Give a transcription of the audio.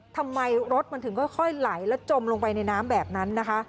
ทำไมรถมันถึงค่อยไหลแล้วจมลงไปในน้ำแบบนั้นนะคะ